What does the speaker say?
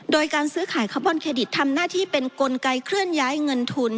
โดยการซื้อขายคาร์บอนเครดิตทำหน้าที่เป็นกลไกเคลื่อนย้ายเงินทุน